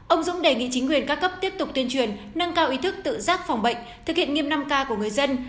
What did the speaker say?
ông dũng đề nghị chính quyền các cấp tiếp tục tuyên truyền nâng cao ý thức tự giác phòng bệnh thực hiện nghiêm năm k của người dân